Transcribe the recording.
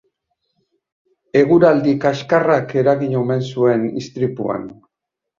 Eguraldi kaxkarrak eragin omen zuen istripuan.